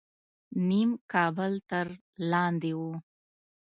نیم کابل تر لاندې و.